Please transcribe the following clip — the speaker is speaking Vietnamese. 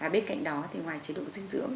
bên cạnh đó thì ngoài chế độ dinh dưỡng